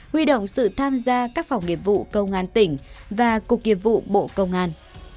huy động sự tham gia các phòng nghiệp vụ công an tỉnh và cục nghiệp vụ bộ công an